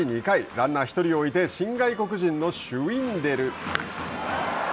ランナー１人を置いて新外国人のシュウィンデル。